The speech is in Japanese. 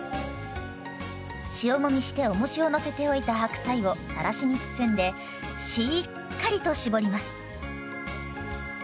塩もみしておもしをのせておいた白菜をさらしに包んでしっかりと搾ります。